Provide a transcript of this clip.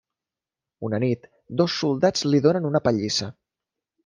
Una nit, dos soldats li donen una pallissa.